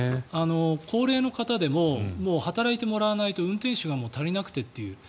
高齢の方でももう働いてもらわないと運転手が足りなくてという。